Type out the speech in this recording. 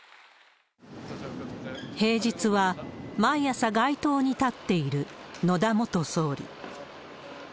平日は毎朝街頭に立っている野田元総理。